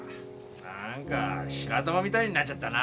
何か白玉みたいになっちゃったな。